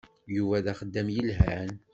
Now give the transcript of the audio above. Yuba d axeddam yelhan.